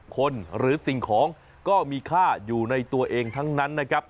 คนหรือสิ่งของก็มีค่าอยู่ในตัวเองทั้งนั้นนะครับ